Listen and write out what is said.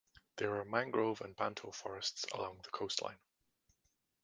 There are mangrove and banto forests along the coastline.